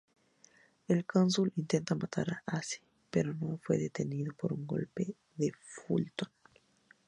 El cónsul intenta matar a Ace, pero es detenido por un golpe de Fulton.